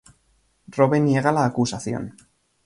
Rove niega la acusación.